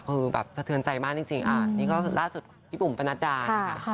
คือแบบสะเทือนใจมากจริงนี่ก็ล่าสุดพี่บุ๋มปนัดดานะคะ